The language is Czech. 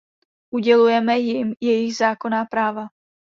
Udělujeme jim jejich zákonná práva.